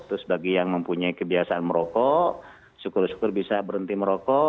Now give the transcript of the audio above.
terus bagi yang mempunyai kebiasaan merokok syukur syukur bisa berhenti merokok